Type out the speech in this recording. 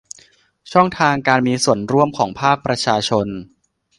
ช่องทางการมีส่วนร่วมของภาคประชาชน